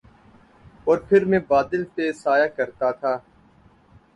اور پھر میں بادل پہ سایہ کرتا تھا